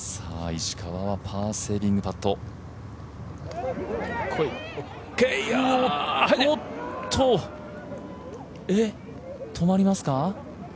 石川、パーセービングパットおっと止まりますか。